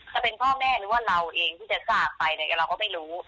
ถ้าเป็นพ่อแม่หรือว่าเราเองที่จะทราบไปเราก็ไม่รู้